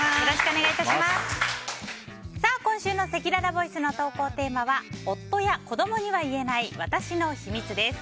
今週のせきららボイスの投稿テーマは夫や子供には言えない私の秘密です。